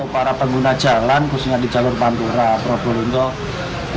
para pengguna jalan khususnya di jalur pantura probolinggo